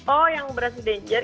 oh yang brush with danger